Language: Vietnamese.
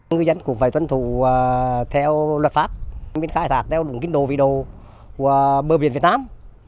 ngư dân cũng phải tuân thủ theo luật pháp mình khai thác theo đúng kinh đồ vị đồ của bờ biển việt nam